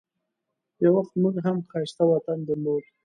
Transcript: یو وخت موږ هم ښایسته وطن درلود.